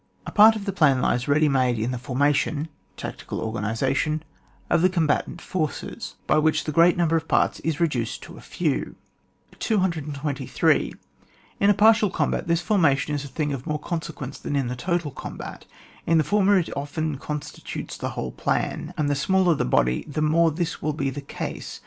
A part of the plan lies ready made in the formation (tactical organi sation) of the combatant forces, by which QUIDE TO TACTICS, OR TEE TREORY OF TEE COMBAT. 145 the g^eat number of parts is reduced to a few. 223. In a partial combat this forma tion is a thing of more consequence than in the total combat; in the former, it often constitutes the whole plan, and the smaller the body, the more this will be the case.